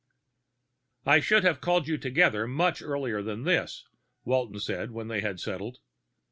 "I should have called you together much earlier than this," Walton said when they were settled.